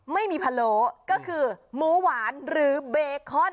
พะโลก็คือหมูหวานหรือเบคอน